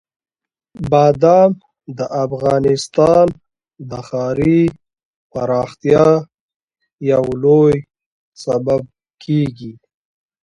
بادام د افغانستان د ښاري پراختیا یو لوی سبب کېږي.